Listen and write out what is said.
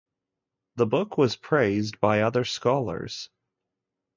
The book was praised by other scholars.